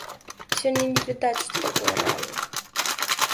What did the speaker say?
Сёння не відаць, што такое рэальна.